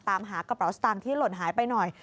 ตามหากระเป๋าสตางค์ที่หล่นหายไปหน่อย